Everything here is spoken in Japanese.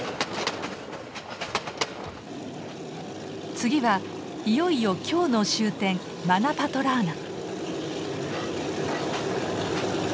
次はいよいよ今日の終点マナパトラーナ。